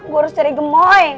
gue harus cari kemoy